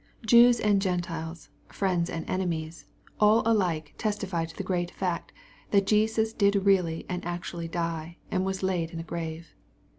Jews and Gentiles, friends and enemies, all alike testify to the great fact, that Christ did really and actually die, and was laid in a grave.